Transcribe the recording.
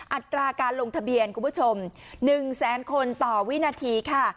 อัตราการลงทะเบียนคุณผู้ชม๑แสนคนต่อวินาทีค่ะ